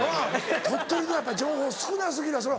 鳥取のやっぱ情報少な過ぎるわそりゃ。